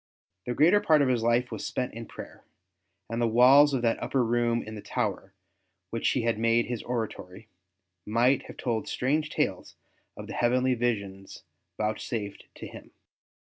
The greater part of his life was spent 10 1 102 ST. BENEDICT in prayer, and the walls of that upper room in the tower, which he had made his oratory, might have told strange tales of the heavenly visions vouchsafed to him.